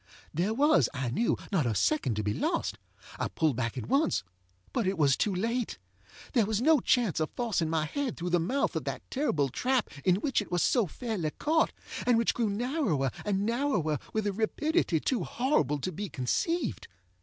There was, I knew, not a second to be lost. I pulled back at onceŌĆöbut it was too late. There was no chance of forcing my head through the mouth of that terrible trap in which it was so fairly caught, and which grew narrower and narrower with a rapidity too horrible to be conceived.